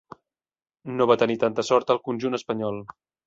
No va tenir tanta sort al conjunt espanyol.